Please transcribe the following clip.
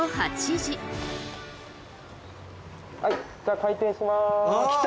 はいじゃあ開店します。